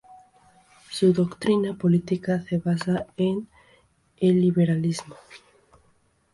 Su doctrina política se basa en el liberalismo.